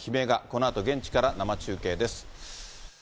このあと現地から生中継です。